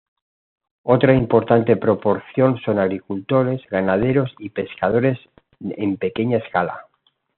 Otra importante proporción son agricultores, ganaderos y pescadores en pequeña escala.